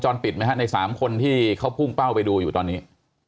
ปิดไหมฮะใน๓คนที่เขาพุ่งเป้าไปดูอยู่ตอนนี้